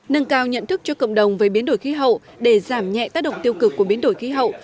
nâng cao nhận thức cho cộng đồng về biến đổi khí hậu để giảm nhẹ tác động tiêu cực của biến đổi khí hậu